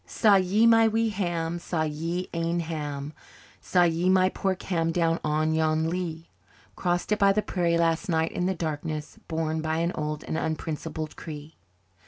"Saw ye my wee ham, saw ye my ain ham, Saw ye my pork ham down on yon lea? Crossed it the prairie last night in the darkness Borne by an old and unprincipled Cree?"